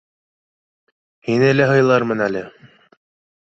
Һине лә һыйлармын әле.